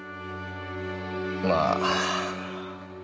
まあ。